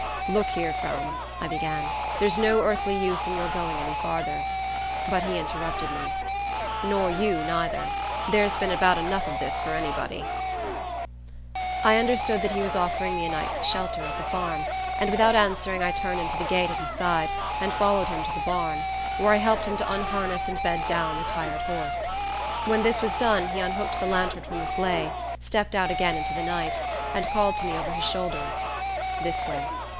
"Look here, Frome," I began, "there's no earthly use in your going any farther " but he interrupted me: "Nor you neither. There's been about enough of this for anybody." I understood that he was offering me a night's shelter at the farm, and without answering I turned into the gate at his side, and followed him to the barn, where I helped him to unharness and bed down the tired horse. When this was done he unhooked the lantern from the sleigh, stepped out again into the night, and called to me over his shoulder: "This way."